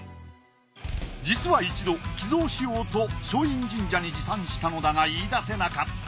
実は一度寄贈しようと松陰神社に持参したのだが言い出せなかった。